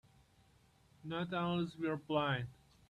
Not unless we're blind.